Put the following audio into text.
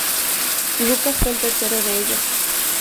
Lucas fue el tercero de ellos.